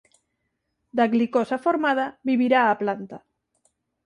Da glicosa formada vivirá a planta.